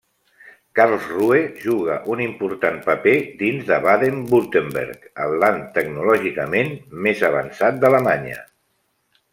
Karlsruhe juga un important paper dins de Baden-Württemberg, el Land tecnològicament més avançat d'Alemanya.